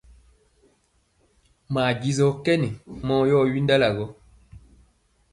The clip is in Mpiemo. Maa jisɔɔ kɛn mɔɔ yɔ windala gɔ.